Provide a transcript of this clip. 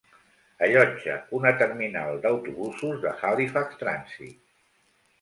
Allotja una terminal d'autobusos de Halifax Transit.